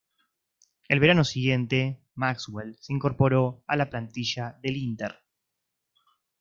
El verano siguiente, Maxwell se incorporó a la plantilla del Inter.